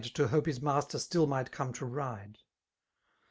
To hope his master still might come to ride.